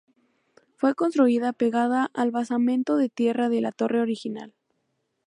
Fue construida pegada al basamento de tierra de la torre original.